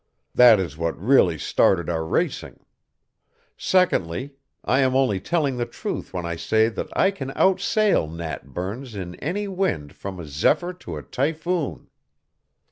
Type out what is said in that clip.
That is what really started our racing. Secondly, I am only telling the truth when I say that I can outsail Nat Burns in any wind from a zephyr to a typhoon.